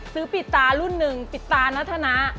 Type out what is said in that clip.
ปิดตารุ่นหนึ่งปิดตานัทนะ